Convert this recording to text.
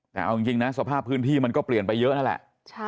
แต่เอาจริงนะสภาพพื้นที่มันก็เปลี่ยนไปเยอะนั่นแหละ